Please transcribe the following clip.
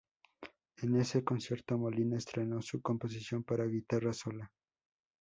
En ese concierto Molina estrenó su composición para guitarra sola “Sgt.